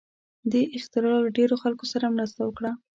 دې اختراع له ډېرو خلکو سره مرسته وکړه.